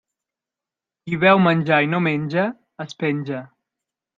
Qui veu menjar i no menja, es penja.